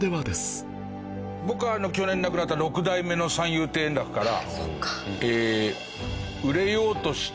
僕は去年亡くなった六代目の三遊亭円楽から。